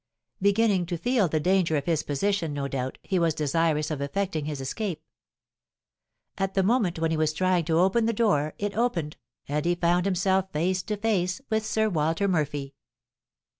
Beginning to feel the danger of his position, no doubt, he was desirous of effecting his escape. At the moment when he was trying to open the door, it opened, and he found himself face to face with Sir Walter Murphy."